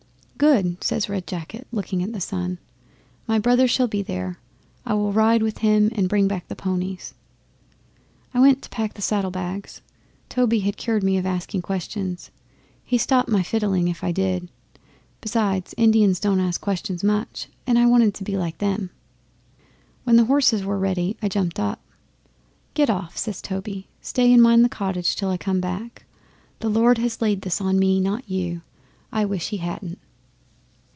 '"Good!" says Red Jacket, looking at the sun. "My brother shall be there. I will ride with him and bring back the ponies." 'I went to pack the saddle bags. Toby had cured me of asking questions. He stopped my fiddling if I did. Besides, Indians don't ask questions much and I wanted to be like 'em. 'When the horses were ready I jumped up. '"Get off," says Toby. "Stay and mind the cottage till I come back. The Lord has laid this on me, not on you. I wish He hadn't."